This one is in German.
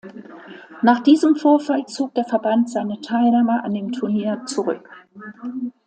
Nach diesem Vorfall zog der Verband seine Teilnahme an dem Turnier zurück.